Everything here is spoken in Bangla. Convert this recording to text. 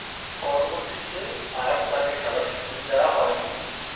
পরবর্তীতে আর তাকে খেলার সুযোগ দেয়া হয়নি।